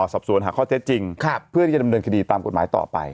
สอบสวนหาข้อเท็จจริงเพื่อที่จะดำเนินคดีตามกฎหมายต่อไป